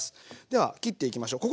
では切っていきましょう。